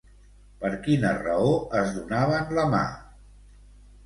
Per quina raó es donaven la mà?